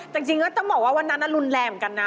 แต่จริงก็ต้องบอกว่าวันนั้นรุนแรงเหมือนกันนะ